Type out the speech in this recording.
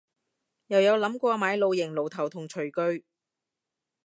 又有諗過買露營爐頭同廚具